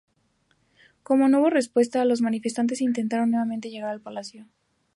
Como no hubo respuesta, los manifestantes intentaron nuevamente llegar a Palacio.